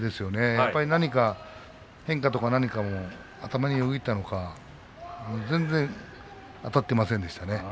やっぱり何か変化とか何か頭に浮かんだのか全然あたってませんでしたね。